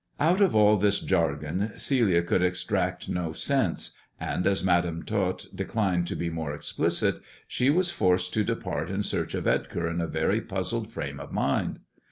Out of all this jargon Celia could extract no sense, and as Madam Tot declined to be more explicit, she was forced 118 THE dwarf's chamber to depart in search of Edgar in a very puzzled fi ame of mind.